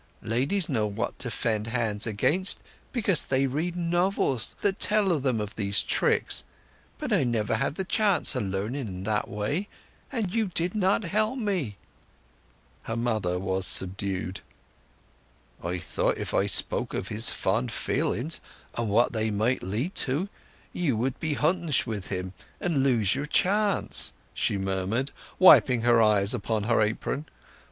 Ladies know what to fend hands against, because they read novels that tell them of these tricks; but I never had the chance o' learning in that way, and you did not help me!" Her mother was subdued. "I thought if I spoke of his fond feelings and what they might lead to, you would be hontish wi' him and lose your chance," she murmured, wiping her eyes with her apron.